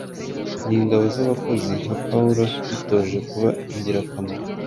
ni ingabo z’abakozi, nka Pawulo, bitoje kuba ingirakamaro,